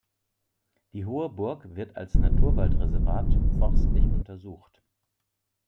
Die Hohe Burg wird als Naturwaldreservat forstlich untersucht.